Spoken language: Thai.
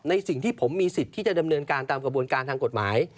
สิ่งที่ผมมีสิทธิ์ที่จะดำเนินการตามกระบวนการทางกฎหมาย